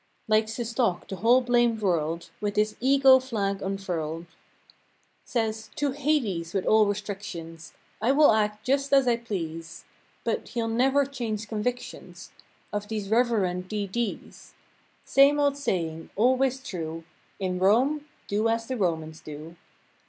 Likes to stalk the whole blamed world. With his Ego flag unfurled. Says "To Hades with all restrictions!" "I will act just as I please!" But, he'll never change convictions. Of these Reverent D. D's. Same old saying—always true— "In Rome do as the Romans do."